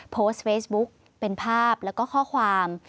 โพสต์เฟซบุ๊กเป็นภาพแล้วก็ข้อความ